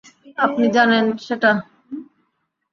আপনি জানেন সেটা।